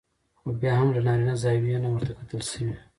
خو بيا هم له نارينه زاويې نه ورته کتل شوي